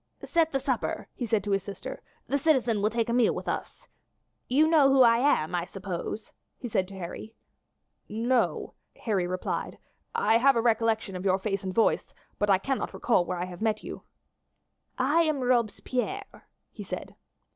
"Set the supper," he said to his sister; "the citizen will take a meal with us. You know who I am, I suppose?" he said to Harry. "No," Harry replied. "I have a recollection of your face and voice, but I cannot recall where I have met you." "I am Robespierre," he said.